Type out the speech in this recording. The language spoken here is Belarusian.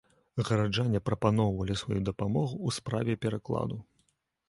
Гараджане прапаноўвалі сваю дапамогу ў справе перакладу.